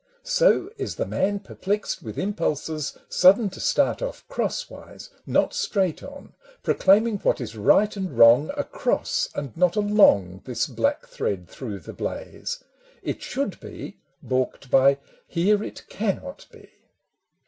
So is the man perplext with impulses Sudden to start off crosswise, not straight on, Proclaiming what is right and wrong across, And not along, this black thread through the blaze —" It should be " baulked by " here it cannot be."